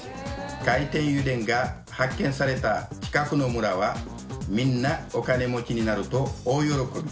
海底油田が発見された近くの村は、みんなお金持ちになると大喜び。